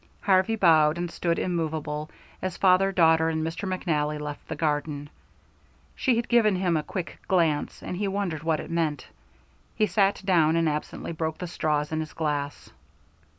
Harvey bowed and stood immovable, as father, daughter, and Mr. McNally left the garden. She had given him a quick glance, and he wondered what it meant. He sat down and absently broke the straws in his glass.